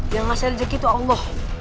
yang mas eljegi itu allah